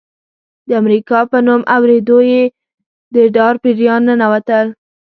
د امریکا په نوم اورېدو یې د ډار پیریان ننوتل.